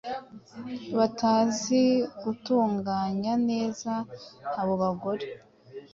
batazi gutunganya neza abo bagore.